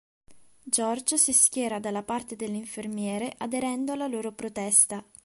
George si schiera dalla parte delle infermiere, aderendo alla loro protesta.